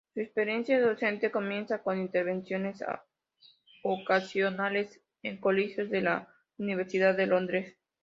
Su experiencia docente comienza con intervenciones ocasionales en colegios de la Universidad de Londres.